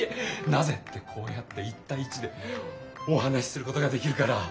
なぜってこうやって１たい１でお話しすることができるから。